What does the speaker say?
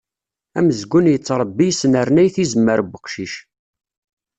Amezgun yettrebbi yesnernay tizemmar n uqcic.